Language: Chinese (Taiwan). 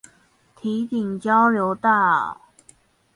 堤頂交流道